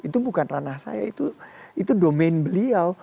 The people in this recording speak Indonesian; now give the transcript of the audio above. itu bukan ranah saya itu domain beliau